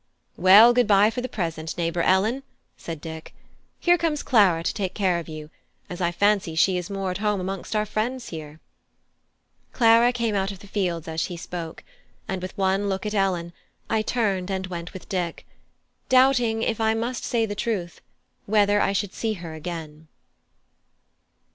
"Well, good bye for the present, neighbour Ellen," said Dick. "Here comes Clara to take care of you, as I fancy she is more at home amongst our friends here." Clara came out of the fields as he spoke; and with one look at Ellen I turned and went with Dick, doubting, if I must say the truth, whether I should see her again.